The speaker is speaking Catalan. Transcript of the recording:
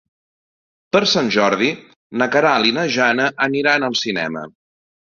Per Sant Jordi na Queralt i na Jana aniran al cinema.